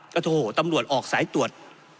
ก็โทรตำรวจออกสายตรวจ